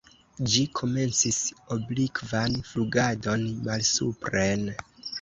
Ĝi komencis oblikvan flugadon malsupren.